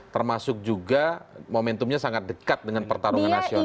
termasuk juga momentumnya sangat dekat dengan pertarungan nasional